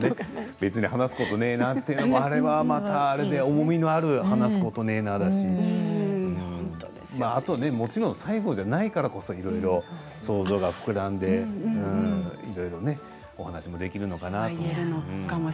別に話すこともねえなというのも思いのある話すことねえなだしもちろん最後じゃないからこそいろいろ想像が膨らんでいろいろ話もできるのかなって。